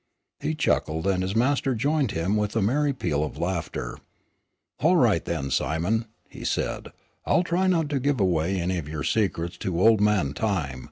He chuckled, and his master joined him with a merry peal of laughter. "All right, then, Simon," he said, "I'll try not to give away any of your secrets to old man Time.